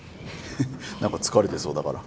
何か疲れてそうだから。